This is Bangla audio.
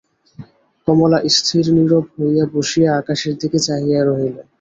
কমলা স্থিরনীরব হইয়া বসিয়া আকাশের দিকে চাহিয়া রহিল।